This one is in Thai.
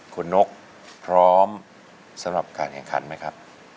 คุณนกพร้อมสำหรับการแข่งขันไหมครับ